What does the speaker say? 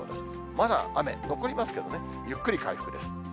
まだ雨、残りますけどね、ゆっくり回復です。